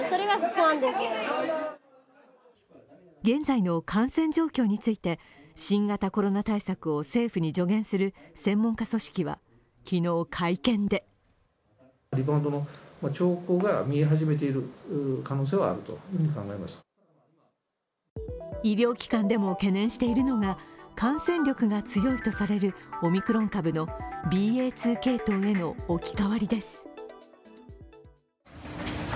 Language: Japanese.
現在の感染状況について、新型コロナ対策を政府に助言する専門家組織は昨日、会見で医療機関でも懸念しているのが感染力が強いとされるオミクロン株のＢＡ．２系統への置き換わりです。